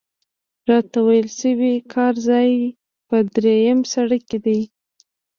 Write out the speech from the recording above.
راته ویل شوي کار ځای په درېیم سړک کې دی.